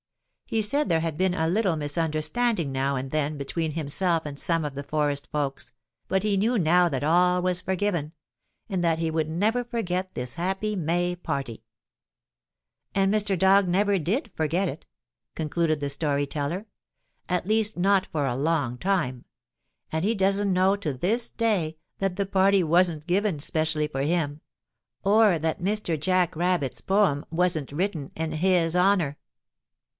He said there had been a little misunderstanding now and then between himself and some of the forest folks, but he knew now that all was forgiven, and that he would never forget this happy May party. And Mr. Dog never did forget it, concluded the Story Teller at least not for a long time and he doesn't know to this day that the party wasn't given specially for him, or that Mr. Jack Rabbit's poem wasn't written in his honor.